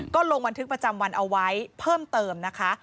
ก็ลงบันทึกประจำวันเอาไว้เพิ่มเติมนะคะ